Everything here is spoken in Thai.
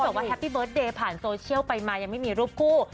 บอกว่าแฮปปี้เบิร์ตเดย์ผ่านโซเชียลไปมายังไม่มีรูปคู่